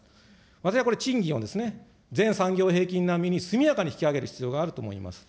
私はこれ、賃金を全産業平均並みに速やかに引き上げる必要があると思います。